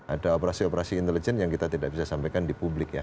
ada operasi operasi intelijen yang kita tidak bisa sampaikan di publik ya